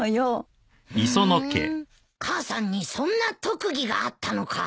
母さんにそんな特技があったのか。